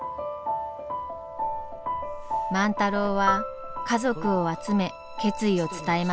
万太郎は家族を集め決意を伝えます。